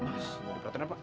mas udah peraturan pak